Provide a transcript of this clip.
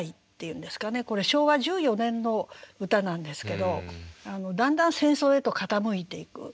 これ昭和１４年の歌なんですけどだんだん戦争へと傾いていく。